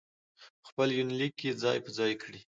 په خپل يونليک کې ځاى په ځاى کړي